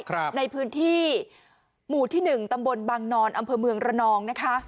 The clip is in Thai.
ในพื้นที่หมู่ที่หนึ่งตำบลบางนอนอำเภอเมืองระนองนะคะ